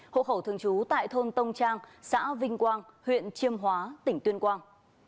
hộ khẩu thường trú tại thôn tông trang xã vinh quang huyện chiêm hóa tỉnh tuyên quang